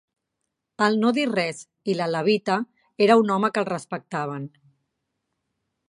El no dir res, i la levita, era un home que el respectaven